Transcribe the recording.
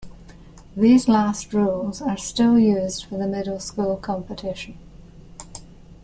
These last rules are still used for the Middle School competition.